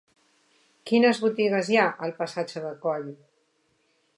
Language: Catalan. Quines botigues hi ha al passatge de Coll?